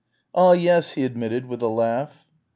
"Ah, yes," he admitted with a laugh.